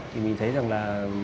thì mình thấy rằng là